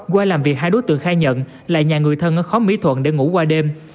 qua làm việc hai đối tượng khai nhận lại nhà người thân ở khóm mỹ thuận để ngủ qua đêm